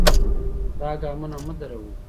دا ګامونه مه دروئ.